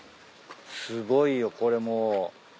すごいよこれもう。